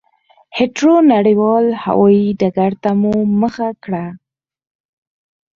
هېترو نړېوال هوایي ډګرته مو مخه کړه.